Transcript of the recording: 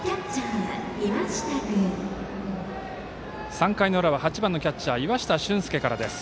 ３回の裏は８番のキャッチャー岩下俊輔からです。